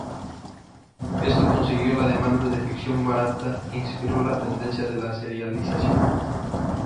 Esto consiguió la demanda de ficción barata e inspiró la tendencia de la serialización.